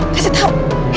ya kasih tau